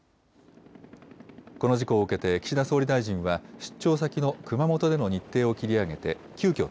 この事故を受けて岸田総理大臣は、出張先の熊本での日程を切り上げて、急きょ